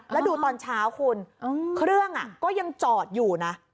แล้วดูตอนเช้าคุณเครื่องก็ยังจอดอยู่นะ